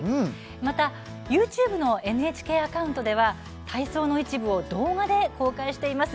また、ＹｏｕＴｕｂｅのＮＨＫアカウントでは体操の一部を動画で公開しています。